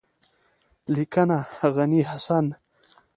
لیکنه: غني حسن